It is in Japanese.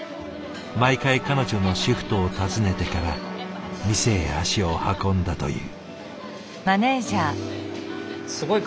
毎回彼女のシフトを尋ねてから店へ足を運んだという。